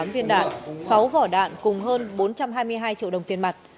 hai mươi tám viên đạn sáu vỏ đạn cùng hơn bốn trăm hai mươi hai triệu đồng tiền mặt